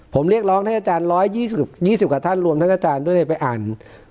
ผมเรียกร้องให้อาจารย์๑๒๐กว่าท่านรวมทั้งอาจารย์ด้วยไปอ่าน